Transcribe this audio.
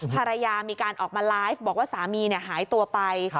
ภรรยามีการออกมาไลฟ์บอกว่าสามีหายตัวไป